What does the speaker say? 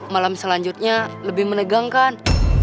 malam selanjutnya lebih menegangkan